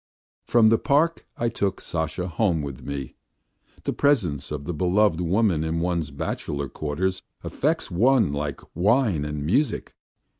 From the park I took Sasha home with me. The presence of the beloved woman in one's bachelor quarters affects one like wine and music.